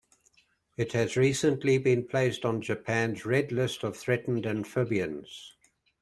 It has recently been placed on Japan's Red List of Threatened Amphibians.